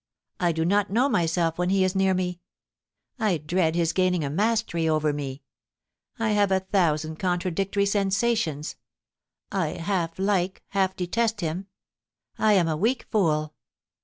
I do not know myself when he is near me. I dread his gaining a mastery over me. ... I have a thousand con tradictory sensations. I half like, half detest him. I am a weak fooL